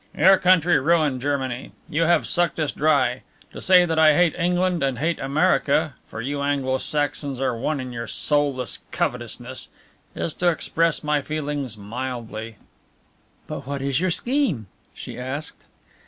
"Your country ruined Germany. You have sucked us dry. To say that I hate England and hate America for you Anglo Saxons are one in your soulless covetousness is to express my feelings mildly." "But what is your scheme?" she asked.